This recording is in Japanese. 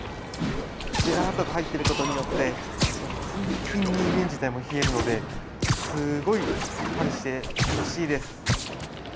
ジェラートが入っていることによってキンキンに麺自体も冷えるのですごいさっぱりして涼しいです。